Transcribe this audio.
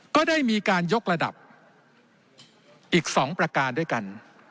ก็ได้มีการยกระดับอีก๒ประการด้วยกัน